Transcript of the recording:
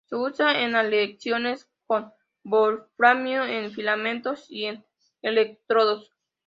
Se usa en aleaciones con wolframio en filamentos y en electrodos.